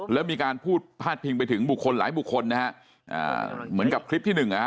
แล้วมีการพูดพาดพิงไปถึงบุคคลหลายบุคคลนะฮะอ่าเหมือนกับคลิปที่หนึ่งนะฮะ